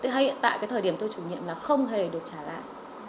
hay hiện tại cái thời điểm tôi chủ nhiệm là không hề được trả lại